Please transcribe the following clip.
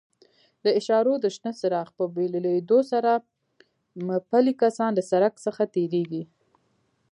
د اشارو د شنه څراغ په بلېدو سره پلي کسان له سړک څخه تېرېږي.